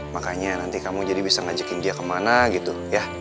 makanya nanti kamu jadi bisa ngajakin dia kemana gitu ya